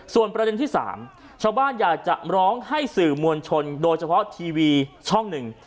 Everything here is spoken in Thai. ส่วนประเด็นที่สามชาวบ้านอยากจะร้องให้สื่อมวลชนโดยเฉพาะทีวีช่องหนึ่ง